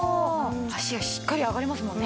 脚がしっかり上がりますもんね。